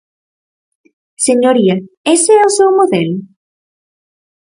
Señoría, ¿ese é o seu modelo?